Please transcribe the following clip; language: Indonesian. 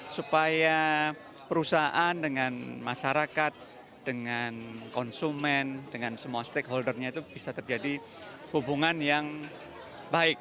supaya perusahaan dengan masyarakat dengan konsumen dengan semua stakeholdernya itu bisa terjadi hubungan yang baik